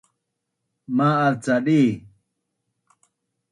Ma’az ca di?